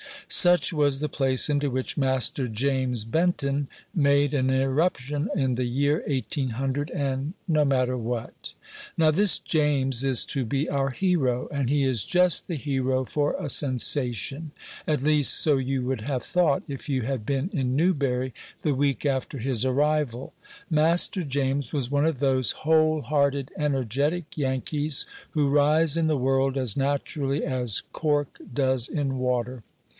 Such was the place into which Master James Benton made an irruption in the year eighteen hundred and no matter what. Now, this James is to be our hero, and he is just the hero for a sensation at least, so you would have thought, if you had been in Newbury the week after his arrival. Master James was one of those whole hearted, energetic Yankees, who rise in the world as naturally as cork does in water.